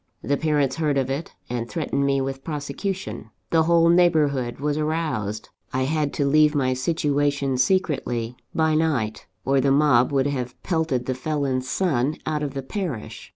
The parents heard of it, and threatened me with prosecution; the whole neighbourhood was aroused. I had to leave my situation secretly, by night, or the mob would have pelted the felon's son out of the parish.